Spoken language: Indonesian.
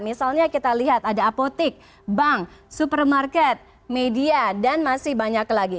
misalnya kita lihat ada apotek bank supermarket media dan masih banyak lagi